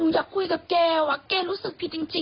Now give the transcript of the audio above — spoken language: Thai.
ว่าเออถ้าสมมติว่าเป็นอย่างนี้อย่างนี้